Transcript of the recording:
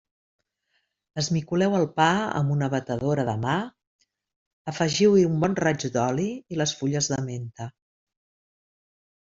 Esmicoleu el pa amb una batedora de mà, afegiu-hi un bon raig d'oli i les fulles de menta.